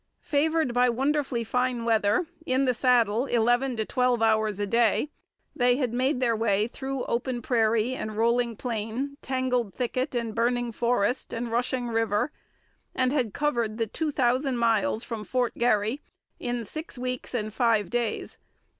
Favoured by wonderfully fine weather, in the saddle eleven to twelve hours a day, they had made their way through open prairie and rolling plain, tangled thicket and burning forest and rushing river, and had covered the two thousand miles from Fort Garry in six weeks and five days.